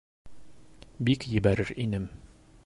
Бик ебәрер инем...